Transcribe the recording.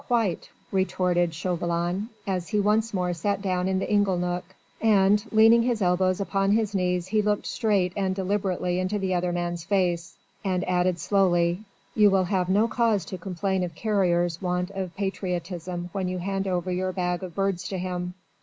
"Quite," retorted Chauvelin, as he once more sat down in the ingle nook. And, leaning his elbows upon his knees he looked straight and deliberately into the other man's face, and added slowly: "You will have no cause to complain of Carrier's want of patriotism when you hand over your bag of birds to him."